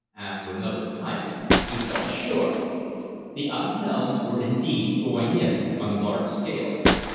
After another pipe, he felt sure. The Unknowns were indeed going in on a large scale.